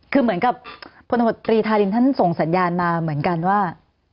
คือเหมือนกับพลตมตรีธารินท่านส่งสัญญาณมาเหมือนกันว่า